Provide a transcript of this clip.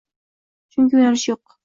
Chunki yo'nalish yo'q